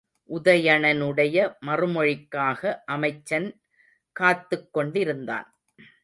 உதயணனுடைய மறுமொழிக்காக அமைச்சன் காத்துக் கொண்டிருந்தான்.